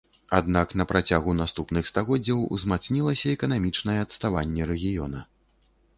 Аднак на працягу наступных стагоддзяў узмацнілася эканамічнае адставанне рэгіёна.